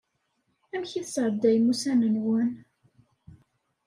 Amek i tesɛeddayem ussan-nwen?